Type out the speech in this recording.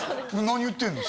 何言ってんの？